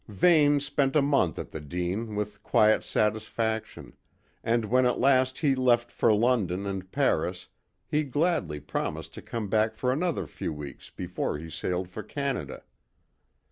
Vane spent a month at the Dene with quiet satisfaction, and when at last he left for London and Paris he gladly promised to come back for another few weeks before he sailed for Canada.